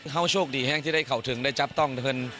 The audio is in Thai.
เขาโชคดีแห้งที่ได้เขาถึงได้จับต้องเงิน